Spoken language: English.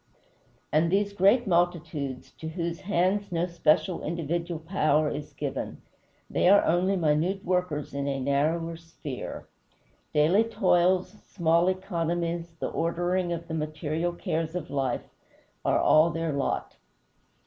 And these great multitudes, to whose hands no special, individual power is given they are only minute workers in a narrower sphere. Daily toils, small economies, the ordering of the material cares of life, are all their lot.